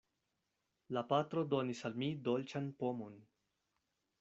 La patro donis al mi dolĉan pomon.